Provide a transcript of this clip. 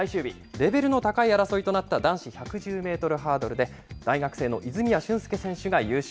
レベルの高い争いとなった男子１１０メートルハードルで、大学生の泉谷駿介選手が優勝。